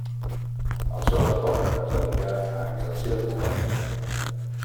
Al seu retorn es dedicà a exercir d'advocat.